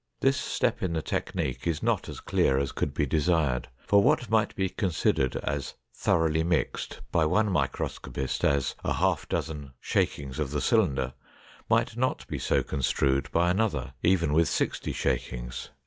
This step in the technique is not as clear as could be desired, for what might be considered as "thoroughly mixed" by one microscopist as a half dozen shakings of the cylinder, might not be so construed by another even with sixty shakings.